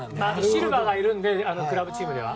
シルバがいるのでクラブチームでは。